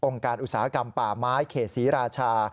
การอุตสาหกรรมป่าไม้เขตศรีราชา